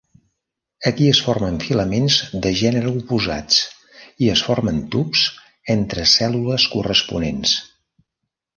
Aquí es formen filaments de gènere oposats i es formen tubs entre cèl·lules corresponents.